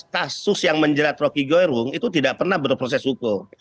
dua belas kasus yang menjelat rocky gerung itu tidak pernah berproses hukum